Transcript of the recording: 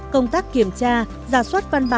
công tác kiểm tra giả xuất văn bản